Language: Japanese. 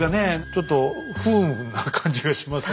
ちょっと不運な感じがします。